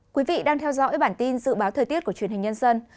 quý vị đang theo dõi bản tin dự báo thời tiết của truyền hình nhân dân